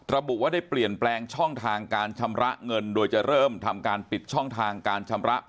ระบุว่าได้เปลี่ยนแปลงช่องทางการชำระเงินโดยจะเริ่มทำการปิดช่องทางการชำระ